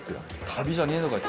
旅じゃねぇのかよ